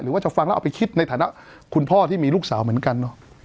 ว่าจะฟังแล้วเอาไปคิดในฐานะคุณพ่อที่มีลูกสาวเหมือนกันเนอะ